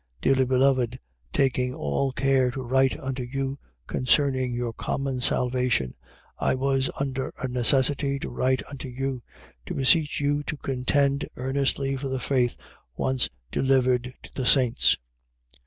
1:3. Dearly beloved, taking all care to write unto you concerning your common salvation, I was under a necessity to write unto you: to beseech you to contend earnestly for the faith once delivered to the saints.